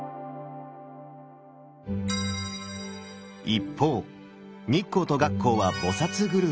一方日光と月光は菩グループ。